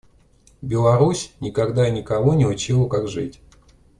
Беларусь никогда и никого не учила как жить.